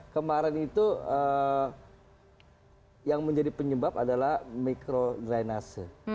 kemarin itu yang menjadi penyebab adalah mikrodrainase